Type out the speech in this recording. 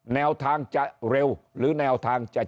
แนวทางจะเร็วหรือแนวทางที่สุด